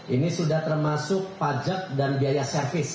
ini sudah termasuk pajak dan biaya service